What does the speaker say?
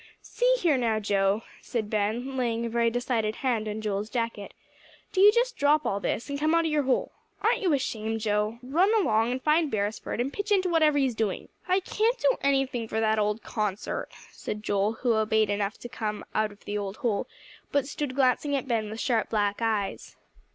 "See here, now, Joe," said Ben, laying a very decided hand on Joel's jacket, "do you just drop all this, and come out of your hole. Aren't you ashamed, Joe! Run along, and find Beresford, and pitch into whatever he's doing." "I can't do anything for that old concert," said Joel, who obeyed enough to come "out of the old hole," but stood glancing at Ben with sharp black eyes.